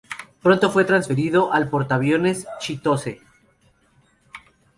Pronto fue transferido al portahidroaviones Chitose.